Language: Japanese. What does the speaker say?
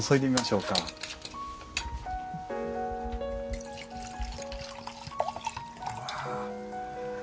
うわ。